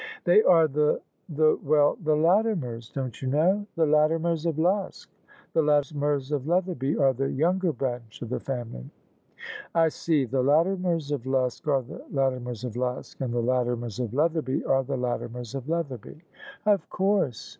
"They are the — the — ^well, the Latimers, don't you know? — the Latimers of Luske: the Latimers of Leatherby are the younger branch of the family." " I see : the Latimers of Luske are the Latimers of Luske, and the Latimers of Leatherby are the Latimers of Leatherby." " Of course.